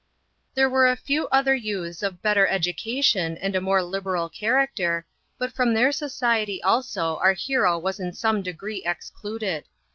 There were a few other youths of better education and a more liberal character, but from their society also our hero was in some degree excluded.